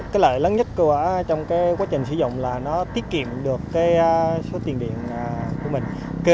cái lợi lớn nhất trong quá trình sử dụng là nó tiết kiệm được cái số tiền điện của mình